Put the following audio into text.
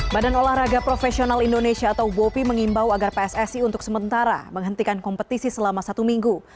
badan olahraga profesional indonesia atau bopi mengimbau agar pssi untuk sementara menghentikan kompetisi selama satu minggu